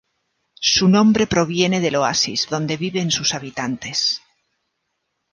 Su nombre proviene del oasis donde viven sus habitantes.